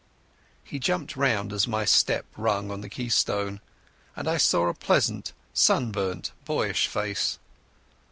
He jumped round as my step rung on the keystone, and I saw a pleasant sunburnt boyish face.